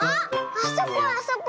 あそこあそこ。